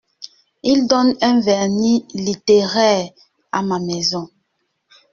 Il donne un vernis littéraire à ma maison…